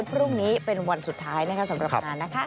พรุ่งนี้เป็นวันสุดท้ายนะครับสำหรับคุณค่ะ